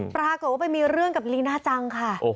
ปรากฏว่าไปมีเรื่องกับลีน่าจังค่ะ